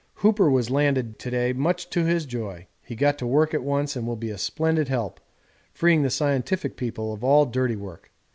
Hooper was landed to day, much to his joy. He got to work at once, and will be a splendid help, freeing the scientific people of all dirty work.